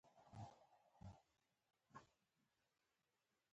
دغه نورمونه ځیني وخت بنسټي توپیرونه تقویه کوي.